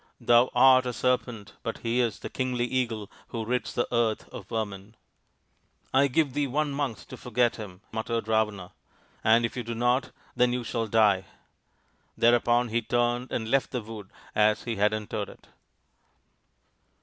Thou art a Serpent, but he is the Kingly Eagle who rids the earth of vermin." " I give thee one month to forget him," muttered Ravana, " and if you do not, then you shall die !" Thereupon he turned and left the wood as he had entered it.